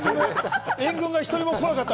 援軍が誰も来なかった